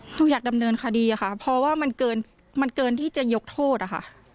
หนูอยากดำเนินคดีค่ะเพราะว่ามันเกินที่จะยกโทษอะค่ะ